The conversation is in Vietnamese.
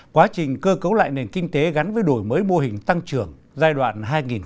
quá trình cơ cấu lại nền kinh tế gắn với đổi mới mô hình tăng trưởng giai đoạn hai nghìn một mươi sáu hai nghìn hai mươi